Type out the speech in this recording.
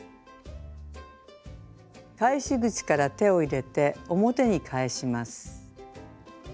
返し口から手を入れて表に返します。